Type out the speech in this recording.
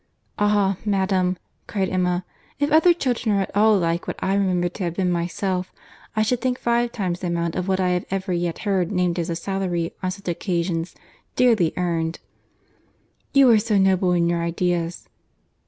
"Ah! madam," cried Emma, "if other children are at all like what I remember to have been myself, I should think five times the amount of what I have ever yet heard named as a salary on such occasions, dearly earned." "You are so noble in your ideas!"